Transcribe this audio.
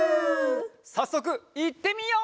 さっそくいってみよう！